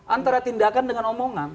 antara tindakan dengan omongan